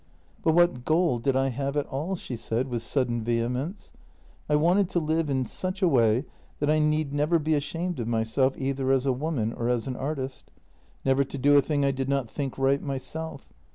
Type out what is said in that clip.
" But what goal did I have at all? " she said, with sudden vehemence. " I wanted to live in such a way that I need never be ashamed of myself either as a woman or as an artist. Never to do a thing I did not think right myself.